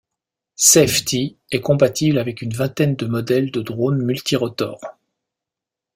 Safe-T est compatible avec une vingtaine de modèles de drones multirotors.